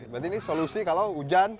berarti ini solusi kalau hujan